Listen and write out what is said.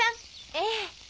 ええ！